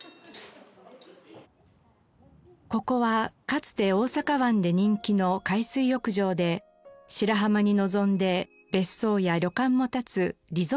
ここはかつて大阪湾で人気の海水浴場で白浜に臨んで別荘や旅館も立つリゾートの地でした。